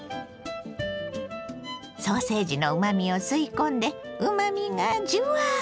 ソーセージのうまみを吸い込んでうまみがジュワッ！